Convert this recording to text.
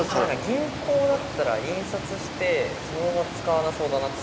銀行だったら印刷してそのまま使わなそうだなって。